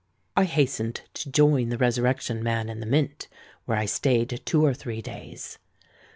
I hastened to join the Resurrection Man in the Mint, where I stayed two or three days.